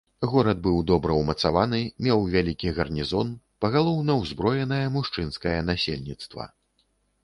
Горад быў добра ўмацаваны, меў вялікі гарнізон, пагалоўна ўзброенае мужчынскае насельніцтва.